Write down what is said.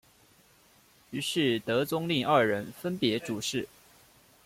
于是德宗令二人分别主事。